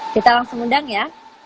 kita langsung undang ya